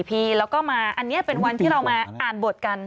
แล้วก็มาอันนี้เป็นวันที่เรามาอ่านบทกัน